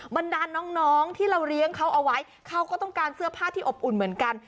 บรรดานน้องที่เราเลี้ยงเขาเอาไว้เขาก็ต้องการเสื้อผ้าที่อบอุ่นเหมือนกัน